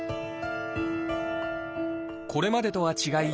これまでとは違い